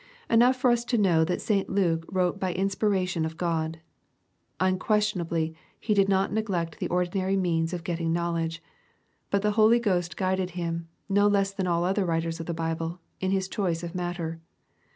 Enough for us to know that St. Luke wrote by inspiration of God. Unquestionably he did not neglect the ordinary means of getting know ledge. But the Holy Ghost guided him, no less than all other writers of the Bible, in his choice of matter.